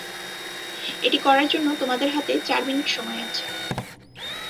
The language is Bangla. এটি করার জন্য তোমাদের হাতে চার মিনিট সময় আছে।